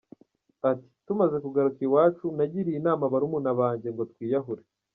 Ati “Tumaze kugaruka iwacu nagiriye inama barumuna banjye ngo twiyahure,.